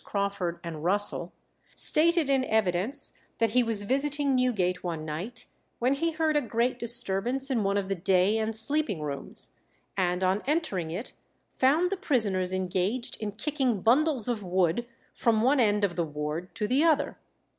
Crawford and Russell, stated in evidence that he was visiting Newgate one night, when he heard a great disturbance in one of the day and sleeping rooms, and on entering it found the prisoners engaged in kicking bundles of wood from one end of the ward to the other.